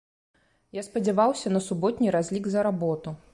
Я спадзяваўся на суботні разлік за работу.